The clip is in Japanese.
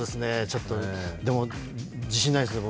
でも、自信ないですね